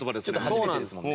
そうなんです。